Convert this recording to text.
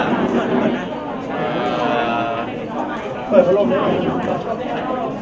ชื่อผมในละครวันละกันชื่อคุณมิมื่นสั่งสั่งให้หมด